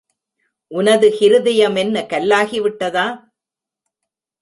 உனது ஹிருதயமென்ன கல்லாகி விட்டதா?